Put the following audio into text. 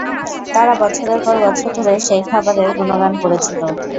তারা বছরের পর বছর ধরে সেই খাবারের গুনগান করেছিল।